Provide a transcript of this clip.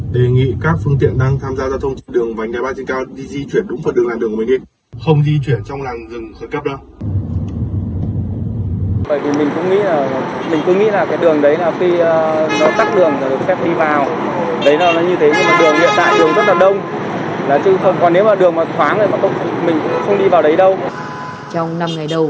đề nghị các phương tiện đang tham gia giao thông trên đường vành đai ba trên cao